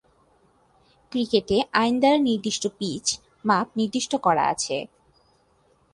ক্রিকেটে আইন দ্বারা নির্দিষ্ট পিচ, মাপ নির্দিষ্ট করা আছে।